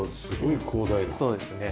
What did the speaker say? そうですね。